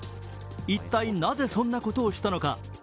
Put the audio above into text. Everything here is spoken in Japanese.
一体、なぜそんなことをしたのか。